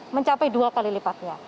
mencapai dua kali lipatnya